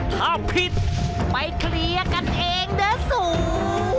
ถ้าผิดไปเคลียร์กันเองเด้อสูง